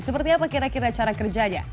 seperti apa kira kira cara kerjanya